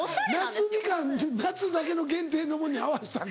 夏ミカン夏だけの限定のもんに合わしたんか？